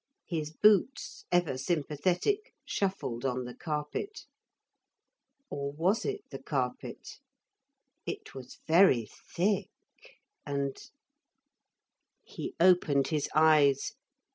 His boots, ever sympathetic, shuffled on the carpet. Or was it the carpet? It was very thick and He opened his eyes.